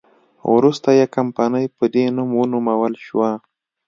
وروسته یې کمپنۍ په دې نوم ونومول شوه.